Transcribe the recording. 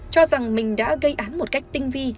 cho rằng mình đã gây án một cách tinh vi